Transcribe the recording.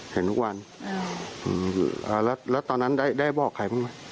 เห็นทุกวันแล้วตอนนั้นได้บอกใครบ้าง